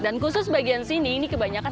dan khusus bagian sini ini kebanyakan